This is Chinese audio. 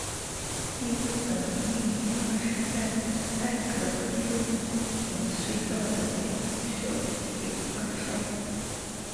类似的命运也发生在艾格峰登顶隧道的建设计画上。